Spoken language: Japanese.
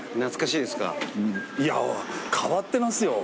いや変わってますよ。